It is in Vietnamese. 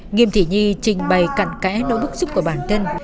nghiêm thị nhi trình bày cặn cãi nỗi bức giúp của bản thân